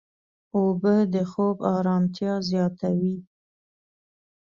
اوبه د خوب ارامتیا زیاتوي.